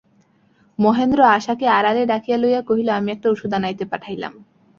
মহেন্দ্র আশাকে আড়ালে ডাকিয়া লইয়া কহিল, আমি একটা ওষুধ আনাইতে পাঠাইলাম।